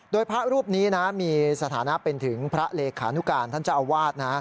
โดยพระรูปนี้นะมีสถานะเป็นถึงพระเลขานุการท่านเจ้าอาวาสนะ